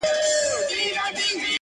مار زخمي سو له دهقان سره دښمن سو!